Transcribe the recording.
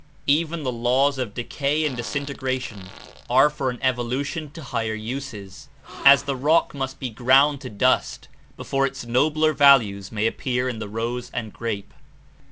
Even the laws of decay and disintegra tion are for an evolution to higher uses, as the rock must be ground to dust before its nobler values may appear In the rose and grape.